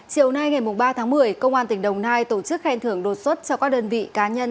chiều nay ngày ba tháng một mươi công an tỉnh đồng nai tổ chức khen thưởng đột xuất cho các đơn vị cá nhân